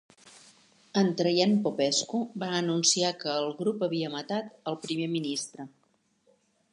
En Traian Popescu va anunciar que el grup havia matat al primer ministre.